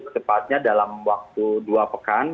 cepatnya dalam waktu dua pekan